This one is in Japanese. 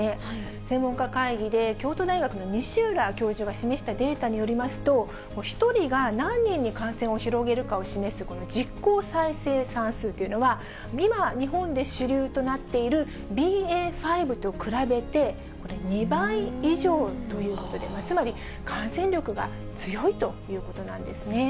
専門家会議で京都大学の西浦教授が示したデータによりますと、１人が何人に感染を広げるかを示すこの実効再生産数というのは、今、日本で主流となっているＢＡ．５と比べて、これ２倍以上ということで、つまり感染力が強いということなんですね。